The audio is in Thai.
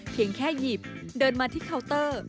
เพียงแค่หยิบเดินมาที่เคาน์เตอร์